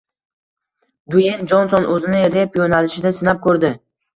Dueyn Jonson o‘zini rep yo‘nalishida sinab ko‘rdi